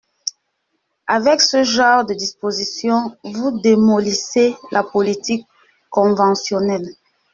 Avec ce genre de dispositions, vous démolissez la politique conventionnelle.